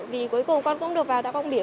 vì cuối cùng con cũng được vào tạ quang biểu